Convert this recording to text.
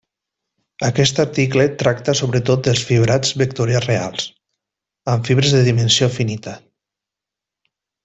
Aquest article tracta sobretot dels fibrats vectorials reals, amb fibres de dimensió finita.